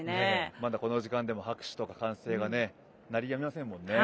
まだ、この時間でも拍手とか歓声が鳴り止みませんからね。